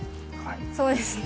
そうですね。